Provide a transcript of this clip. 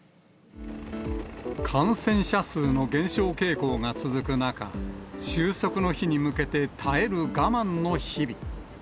感染者数の減少傾向が続く中、収束の日に向けて耐える我慢の日々。